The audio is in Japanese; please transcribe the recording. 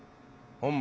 本番！